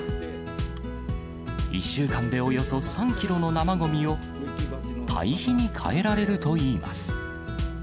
１週間でおよそ３キロの生ごみを堆肥に変えられるといいます。